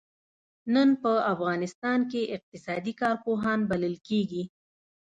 نن په افغانستان کې اقتصادي کارپوهان بلل کېږي.